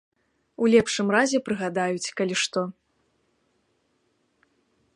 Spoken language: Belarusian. У лепшым разе прыгадаюць, калі што.